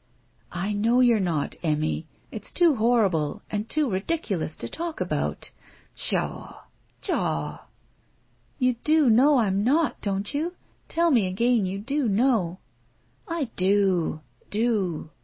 "I know you're not, Emmy. It's too horrible and too ridiculous to talk about. Pshaw — pshaw!" "You do know I'm not, don't you? Tell me again you do know." ''I do. Do."